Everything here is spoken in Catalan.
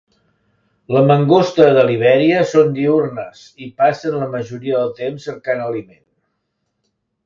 La mangosta de Libèria són diürnes i passen la majoria del temps cercant aliment.